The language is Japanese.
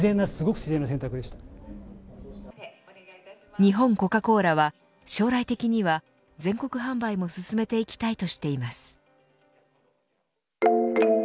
日本コカ・コーラは将来的には全国販売も進めていきたいとしています。